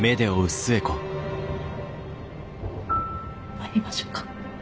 参りましょうか。